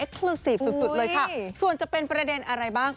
ครูซีฟสุดเลยค่ะส่วนจะเป็นประเด็นอะไรบ้าง